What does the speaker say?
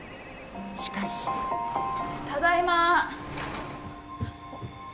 しかしただいま。